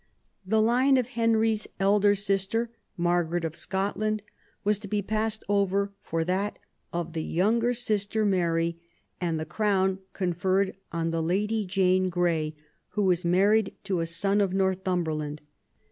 The line of Henry's elder sister, Margaret of Scotland, was to be passed over for that of the younger sister Mary, and the crown conferred on the Lady Jane Grey, who was married to a son of Northumberland.